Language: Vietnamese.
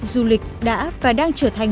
du lịch đã và đang trở thành